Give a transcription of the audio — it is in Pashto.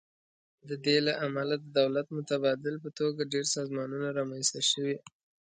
د دې له امله د دولت متبادل په توګه ډیر سازمانونه رامینځ ته شوي.